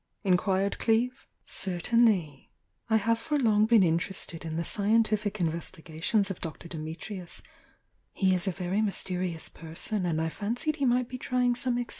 inquired Cleeve. "Certainly ! I have for long been interested m the scientific investigations of Dr. Dimitrius— he is a very mysterious person, and I fancied he might be trying some experiment on this lady.